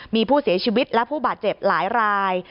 มีผู้เสียชีวิตและผู้บาดเจ็บหลายราย